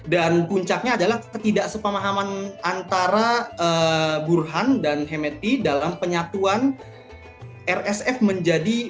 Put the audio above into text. dan puncaknya adalah ketidaksepamahaman antara burhan dan hemeti dalam penyatuan rsf menjadi militer